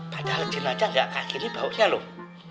padahal jin aja gak kayak gini baunya loh